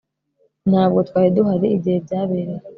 ntabwo twari duhari igihe byabereye